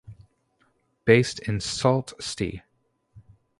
Based in Sault Ste.